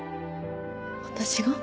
私が？